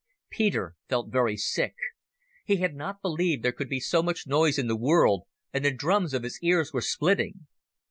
Peter felt very sick. He had not believed there could be so much noise in the world, and the drums of his ears were splitting.